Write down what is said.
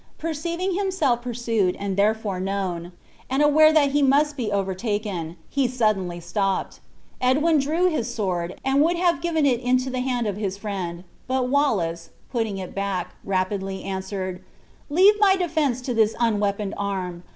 Perceiving himself pursued, and therefore known, and aware that he must be overtaken, he suddenly stopped. Edwin drew his sword, and would have given it into the hand of his friend; but Wallace, putting it back, rapidly answered: "Leave my defense to this unweaponed arm.